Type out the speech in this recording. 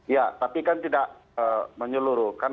ya tapi kan tidak menyeluruhkan